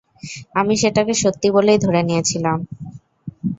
আমি সেটাকে সত্যি বলেই ধরে নিয়েছিলাম।